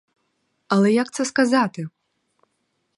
Але як це сказати?